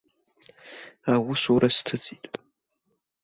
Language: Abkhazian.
Аусура сҭыҵит.